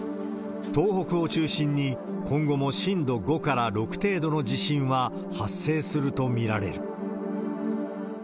東北を中心に、今後も震度５から６程度の地震は発生すると見られる。